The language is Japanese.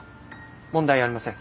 問題ありません。